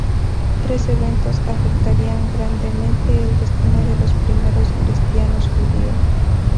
Tres eventos afectarían grandemente el destino de los primeros cristianos judíos.